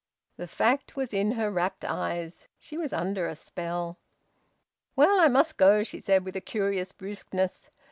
The fact was in her rapt eyes. She was under a spell. "Well, I must go!" she said, with a curious brusqueness.